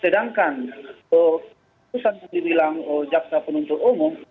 sedangkan itu sampai dibilang jaksa penuntut umum